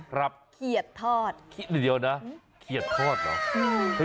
ครับเขียดทอดเขียดทอดเหรอ